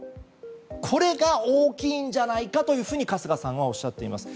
これが大きいんじゃないかと春日さんはおっしゃっています。